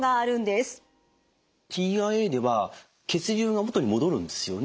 ＴＩＡでは血流が元に戻るんですよね？